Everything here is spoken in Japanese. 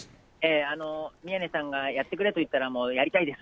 宮根さんがやってくれと言ったら、もうやりたいです。